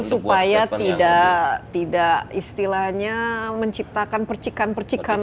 supaya tidak istilahnya menciptakan percikan percikan